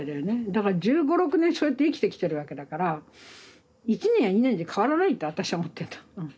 だから１５１６年そうやって生きてきてるわけだから１年や２年じゃ変わらないって私は思ってんだ。